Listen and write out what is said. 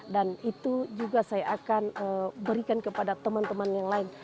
dan itu juga saya akan berikan kepada teman teman yang lain